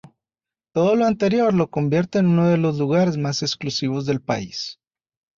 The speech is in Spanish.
Todo lo anterior lo convierte en uno de los lugares más exclusivos del país.